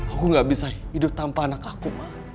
aku gak bisa hidup tanpa anak aku